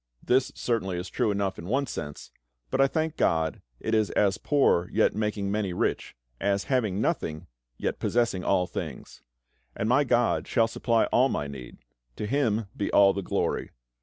This certainly is true enough in one sense, but I thank GOD it is "as poor, yet making many rich; as having nothing, yet possessing all things." And my GOD shall supply all my need; to Him be all the glory.